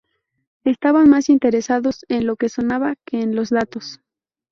Estaban más interesados en lo que sonaba que en los datos!".